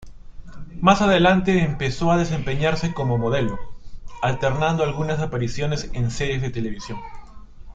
Más adelante empezó a desempeñarse como modelo, alternando algunas apariciones en series de televisión.